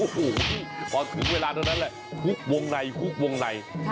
โอ้โหพอถึงเวลาเท่านั้นแหละฮุกวงในฮุกวงใน